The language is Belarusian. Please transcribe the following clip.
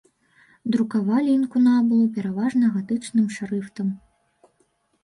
Друкавалі інкунабулы пераважна гатычным шрыфтам.